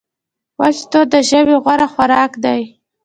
وچ توت د ژمي غوره خوراک دی.